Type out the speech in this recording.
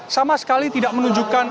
sama sekali tidak menunjukkan